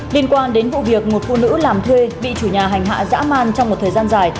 liên quan đến vụ việc một phụ nữ làm thuê bị chủ nhà hành hạ dã man trong một thời gian dài